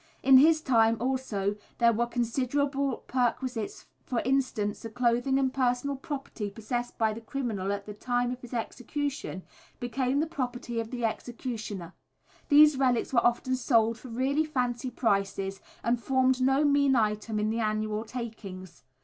In his time, also, there were considerable perquisites, for instance, the clothing and personal property possessed by the criminal at the time of his execution became the property of the executioner. These relics were often sold for really fancy prices and formed no mean item in the annual takings.